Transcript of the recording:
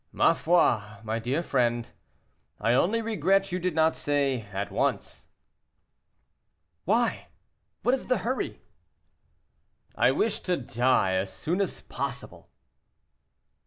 "Ma foi, my dear friend, I only regret you did not say, 'at once.'" "Why! what is the hurry?" "I wish to die as soon as possible." St.